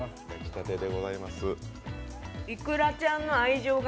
いくらちゃんの愛情が。